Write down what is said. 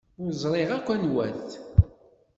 Ur ẓriɣ akk anwa-t.